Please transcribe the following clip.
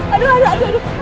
aduh aduh aduh